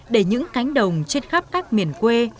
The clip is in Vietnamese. để những cánh đồng trên khắp các miền quê